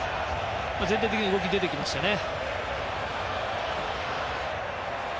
全体的に動きが出てきましたね。